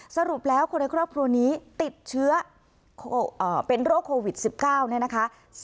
สรุปแล้วคนในครอบครัวนี้ติดเชื้อเป็นโรคโควิด๑๙เนี่ยนะคะ